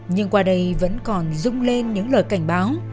nhưng qua đây vẫn còn rung lên những lời cảnh báo